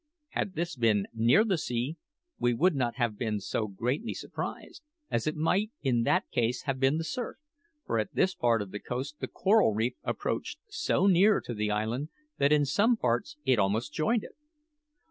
Had this been near the sea, we would not have been so greatly surprised, as it might in that case have been the surf, for at this part of the coast the coral reef approached so near to the island that in some parts it almost joined it.